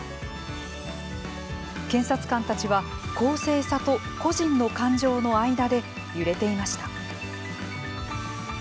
検察官たちは、公正さと個人の感情の間で揺れていました。